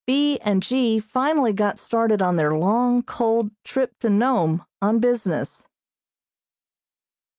B. and G. finally got started on their long, cold trip to Nome on business.